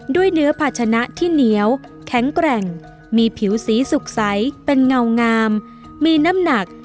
ด้วยเนื้อภาชนะที่เหนียวแข็งแกร่งมีผิวสีสุขใสเป็นเงางามมีน้ำหนัก